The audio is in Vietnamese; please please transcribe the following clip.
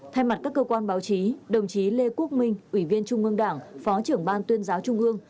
thay mặt các cơ quan báo chí đồng chí lê quốc minh ủy viên trung ương đảng phó trưởng ban tuyên giáo trung ương